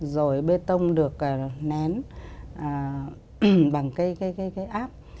rồi bê tông được nén bằng cây áp